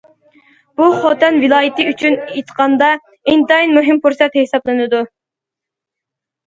بۇ خوتەن ۋىلايىتى ئۈچۈن ئېيتقاندا ئىنتايىن مۇھىم پۇرسەت ھېسابلىنىدۇ.